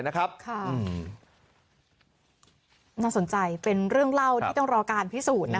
นะครับค่ะน่าสนใจเป็นเรื่องเล่าที่ต้องรอการพิสูจน์นะคะ